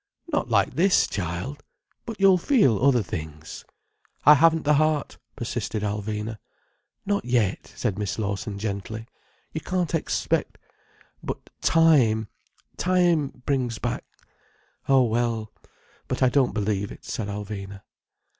"Not like this, child. But you'll feel other things—" "I haven't the heart," persisted Alvina. "Not yet," said Mrs. Lawson gently. "You can't expect—But time—time brings back—" "Oh well—but I don't believe it," said Alvina.